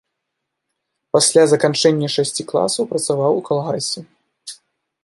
Пасля заканчэння шасці класаў працаваў у калгасе.